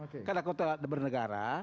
karena konteks bernegara